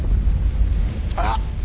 あっ。